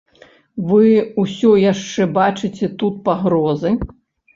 Вы ўсё яшчэ бачыце тут пагрозы?